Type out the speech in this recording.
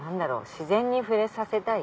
自然に触れさせたい？